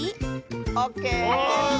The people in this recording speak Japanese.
オッケー！